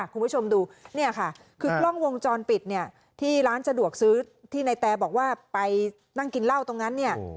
คุณผู้ชมดูคือกล้องวงจรปิดที่ร้านจดวกซื้อที่นายแต่บอกว่าไปนั่งกินเหล้าตรงนั้น